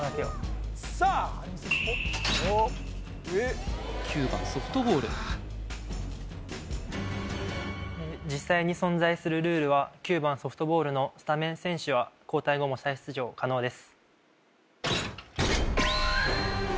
さあえっ９番ソフトボール実際に存在するルールは９番ソフトボールのスタメン選手は交代後も再出場可能です